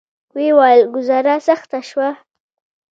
ویې ویل: ګوزاره سخته شوه.